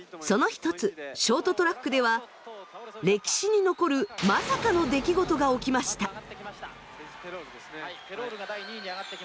その一つショートトラックでは歴史に残るまさかの出来事が起きました。